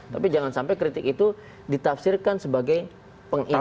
tapi jangan sampai kritik itu ditafsirkan sebagai pengingat